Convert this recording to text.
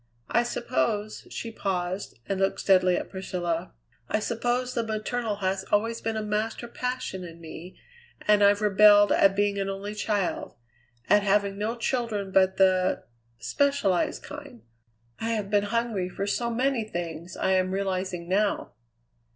I suppose" she paused and looked steadily at Priscilla "I suppose the maternal has always been a master passion in me, and I've rebelled at being an only child; at having no children but the specialized kind. I have been hungry for so many things I am realizing now."